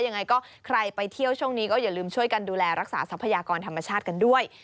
ยังไงก็ใครไปเที่ยวช่วงนี้ก็อย่าลืมช่วยกันดูแลรักษาทรัพยากรธรรมชาติกันด้วย